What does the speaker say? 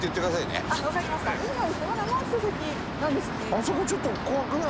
あそこちょっと怖くない？